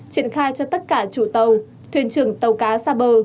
triển khai cho tất cả chủ tàu thuyền trưởng tàu cá xa bờ